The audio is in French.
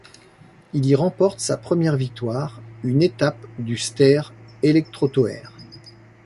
Il y remporte sa première victoire, une étape du Ster Elektrotoer.